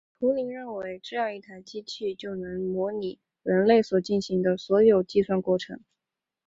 图灵认为这样的一台机器就能模拟人类所能进行的任何计算过程。